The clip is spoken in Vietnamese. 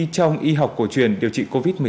trong y học cổ truyền điều trị covid một mươi chín